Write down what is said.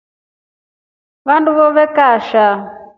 Vandu vevokova nshaa.